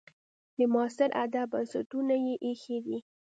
د معاصر ادب بنسټونه یې ایښي دي.